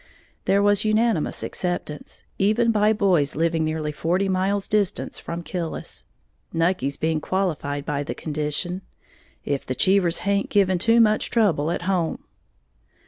There was unanimous acceptance, even by boys living nearly forty miles distant from Killis, Nucky's being qualified by the condition, "If the Cheevers haint giving too much trouble at home."